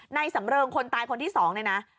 ในสำเริงคนตายคนที่สองเลยนะ